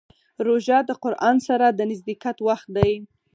روژه د قرآن سره د نزدېکت وخت دی.